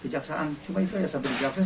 cuma itu ya sampai dikejaksaan